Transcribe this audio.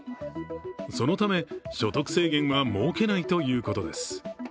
そのため、所得制限は設けないということです。